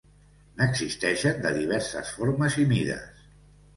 N'existeixen de diverses formes i mides.